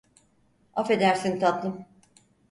Affedersin tatlım.